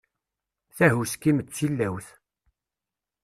Tahuski-m d tilawt.